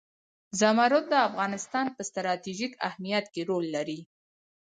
زمرد د افغانستان په ستراتیژیک اهمیت کې رول لري.